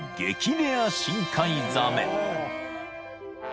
レア深海ザメ］